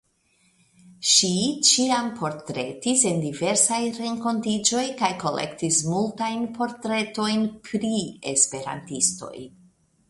Ŝi ĉiam portretis en diversaj renkontiĝoj kaj kolektis multajn portretojn pri esperantistoj.